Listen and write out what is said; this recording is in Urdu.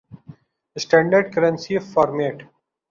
standard currency format